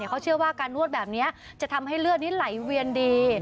เขาเชื่อว่าการนวดแบบนี้จะทำให้เลือดนี้ไหลเวียนดี